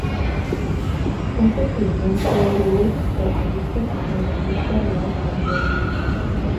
Es el primer rey de Ur que aparece en la Lista Real Sumeria.